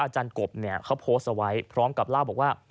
อาจารย์กบเขาโพสต์เอาไว้พร้อมกับเล่าบอกว่า